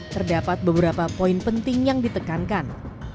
terdapat beberapa poin penting yang ditekankan